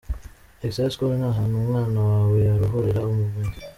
Excella School ni ahantu umwana wawe yarahurira ubumenyi.